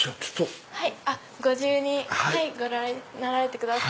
ご自由にご覧になられてください。